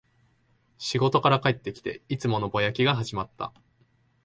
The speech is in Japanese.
仕事から帰ってきて、いつものぼやきが始まった